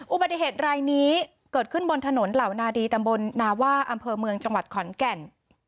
อุบัติเหตุรายนี้เกิดขึ้นบนถนนเหล่านาดีตำบลนาว่าอำเภอเมืองจังหวัดขอนแก่น